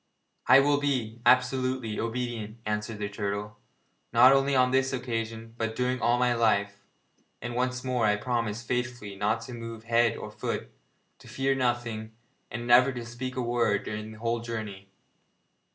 'I will be absolutely obedient,' answered the turtle, 'not only on this occasion but during all my life; and once more I promise faithfully not to move head or foot, to fear nothing, and never to speak a word during the whole journey.'